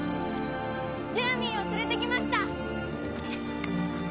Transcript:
ジェラミーを連れてきました！